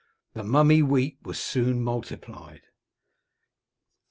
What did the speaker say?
The mummy wheat was soon multiplied.